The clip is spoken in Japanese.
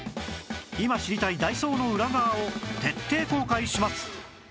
今知りたいダイソーの裏側を徹底公開します！